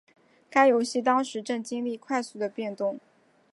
该游戏当时正经历快速的变动。